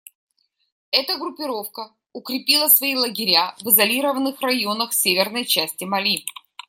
Эта группировка укрепила свои лагеря в изолированных районах северной части Мали.